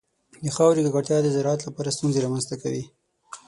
د خاورې ککړتیا د زراعت لپاره ستونزې رامنځته کوي.